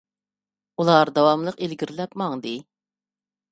ئۇلار داۋاملىق ئىلگىرىلەپ ماڭدى.